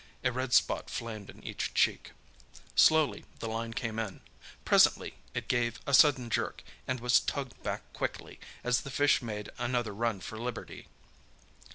A red spot flamed in each cheek. Slowly the line came in. Presently it gave a sudden jerk, and was tugged back quickly, as the fish made another run for liberty.